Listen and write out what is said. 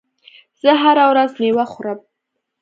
زه هره ورځ مېوه خورم.